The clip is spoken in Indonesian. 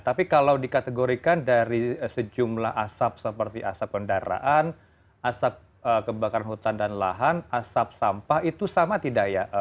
tapi kalau dikategorikan dari sejumlah asap seperti asap kendaraan asap kebakaran hutan dan lahan asap sampah itu sama tidak ya